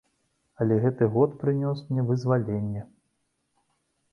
Але гэты год прынёс мне вызваленне.